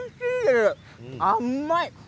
甘い。